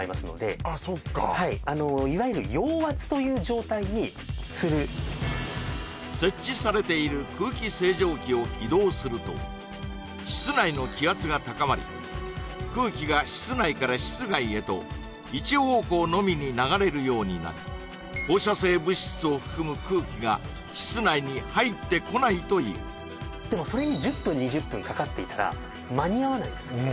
いわゆる陽圧という状態にする設置されている空気清浄機を起動すると室内の気圧が高まり空気が室内から室外へと一方向のみに流れるようになり放射性物質を含む空気が室内に入ってこないというでもそれに１０分２０分かかっていたら間に合わないんですね